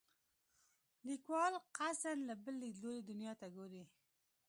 لیکوال قصدا له بل لیدلوري دنیا ته ګوري.